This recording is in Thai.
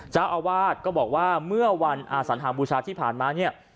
เจ้าอาวาสก็บอกว่าเมื่อวันอาสัญหาบูชาที่ผ่านมาเนี่ย